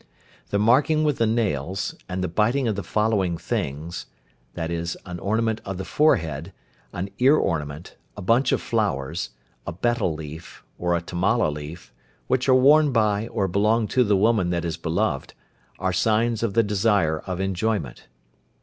The marking with the nails, and the biting of the following things, viz., an ornament of the forehead, an ear ornament, a bunch of flowers, a betel leaf, or a tamala leaf, which are worn by, or belong to the woman that is beloved, are signs of the desire of enjoyment.